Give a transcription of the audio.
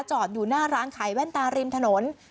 จอดอยู่หน้าร้านขายแว่นตาริมถนน